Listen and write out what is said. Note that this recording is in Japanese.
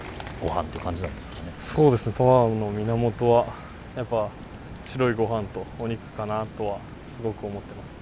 ◆そうですね、パワーの源はやっぱり白いごはんとお肉かなとはすごく思っています。